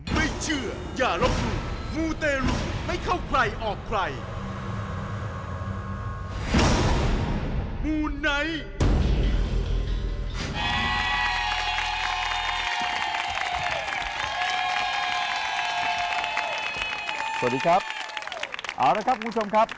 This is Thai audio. มูไนท์